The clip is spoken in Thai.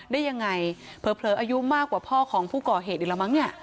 ได้ยังไงเผลออายุมากกว่าพ่อของผู้ก่อเหตุอีกแล้วมั้งเนี่ย